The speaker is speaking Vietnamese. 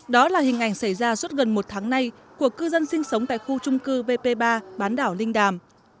đó là hình ảnh xảy ra suốt gần một tháng nay của cư dân sinh sống tại khu trung cư vp ba bán đảo linh đàm